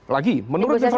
lagi menurut informasi